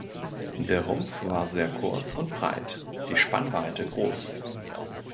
Der Rumpf war sehr kurz und breit, die Spannweite groß.